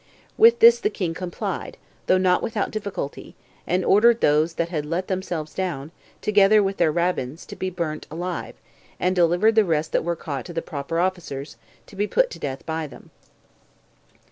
With this the king complied, though not without difficulty, and ordered those that had let themselves down, together with their Rabbins, to be burnt alive, but delivered the rest that were caught to the proper officers, to be put to death by them.